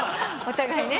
お互いに。